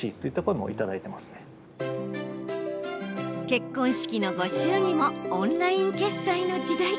結婚式のご祝儀もオンライン決済の時代。